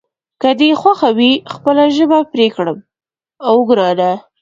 که دې خوښه وي خپله ژبه به پرې کړم، اوه ګرانه.